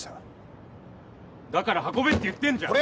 だから運べって言ってんじゃん！